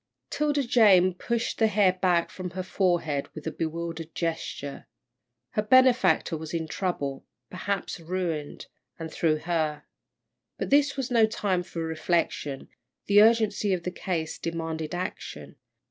'Tilda Jane pushed the hair back from her forehead with a bewildered gesture. Her benefactor was in trouble perhaps ruined, and through her. But this was no time for reflection, the urgency of the case demanded action.